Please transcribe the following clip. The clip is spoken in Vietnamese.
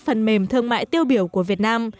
phần mềm thương mại tiêu biểu của việt nam